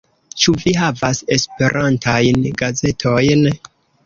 Ĉu vi havas esperantajn gazetojn?